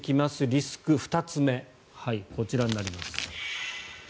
リスク２つ目こちらになります。